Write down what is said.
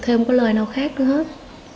thêm có lời nào khác nữa hết